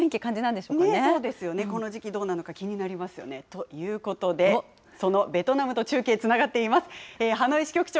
そうですよね、この時期どうなのか気になりますよね。ということで、そのベトナムと中継つながっています。